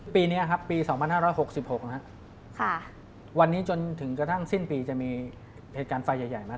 ปีนี้ครับปี๒๕๖๖นะครับวันนี้จนถึงกระทั่งสิ้นปีจะมีเหตุการณ์ไฟใหญ่มา